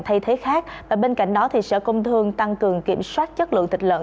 và mặt thế khác bên cạnh đó sở công thương tăng cường kiểm soát chất lượng thịt lợn